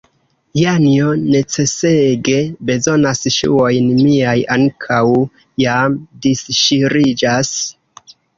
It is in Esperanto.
Janjo necesege bezonas ŝuojn, miaj ankaŭ jam disŝiriĝas.